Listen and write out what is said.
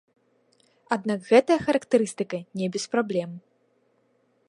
Аднак гэтая характарыстыка не без праблем.